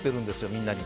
みんなに。